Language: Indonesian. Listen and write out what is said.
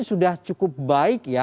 sudah cukup baik ya